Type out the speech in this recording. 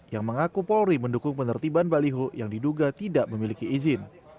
yang mengaku polri mendukung penertiban baliho yang diduga tidak memiliki izin